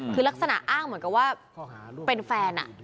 คือลักษณะอ้างเหมือนกับว่าเป็นแฟน